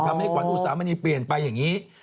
ทำให้ความอุตสามัณีเปลี่ยนไปอย่างนี้